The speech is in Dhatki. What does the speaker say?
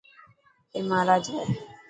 اي مهراج هي.